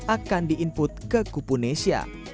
akan di input ke kupunesia